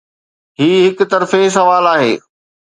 هي هڪ طرفي سوال آهي.